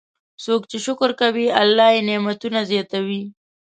څوک چې شکر کوي، الله یې نعمتونه زیاتوي.